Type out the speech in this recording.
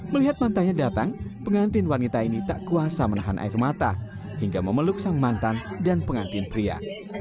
melihat mantannya datang pengantin wanita ini tak kuasa menahan air mata hingga memeluk sang mantan dan pengantin pria